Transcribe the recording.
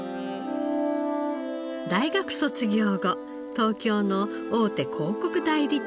大学卒業後東京の大手広告代理店に勤務。